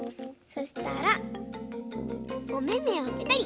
そしたらおめめをぺたり。